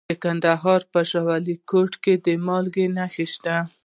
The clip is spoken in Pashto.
د کندهار په شاه ولیکوټ کې د مالګې نښې شته.